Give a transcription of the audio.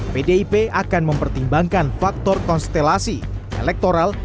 pdip akan mempertimbangkan faktor konstelasi elektoral